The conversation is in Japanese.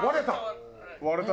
割れた！